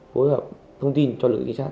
phối hợp thông tin cho lực chính sát